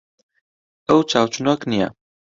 ئەو چاوچنۆک نییە.